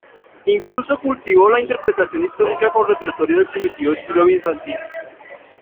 Incluso, cultivó la interpretación histórica con repertorio del primitivo estilo bizantino.